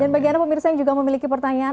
dan bagi anda pemirsa yang juga memiliki pertanyaan